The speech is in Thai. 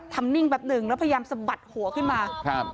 นิ่งแป๊บหนึ่งแล้วพยายามสะบัดหัวขึ้นมาครับ